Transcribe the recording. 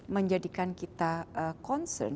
menjadikan kita concern